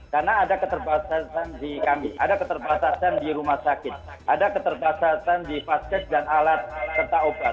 karena ada keterbatasan di kami ada keterbatasan di rumah sakit ada keterbatasan di pasket dan alat serta obat